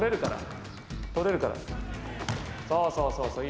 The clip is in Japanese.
そうそう。